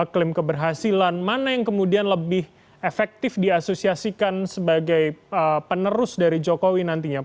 klaim keberhasilan mana yang kemudian lebih efektif diasosiasikan sebagai penerus dari jokowi nantinya